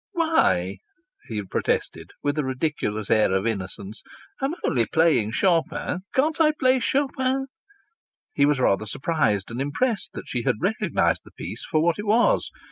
"Why?" he protested, with a ridiculous air of innocence. "I'm only playing Chopin. Can't I play Chopin?" He was rather surprised and impressed that she had recognized the piece for what it was.